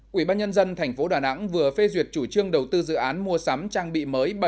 quỹ ban nhân dân tp đà nẵng vừa phê duyệt chủ trương đầu tư dự án mua sắm trang bị mới